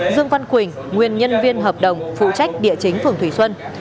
dương văn quỳnh nguyên nhân viên hợp đồng phụ trách địa chính phường thủy xuân